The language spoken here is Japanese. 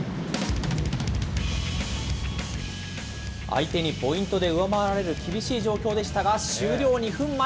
相手にポイントで上回られる厳しい状況でしたが、終了２分前。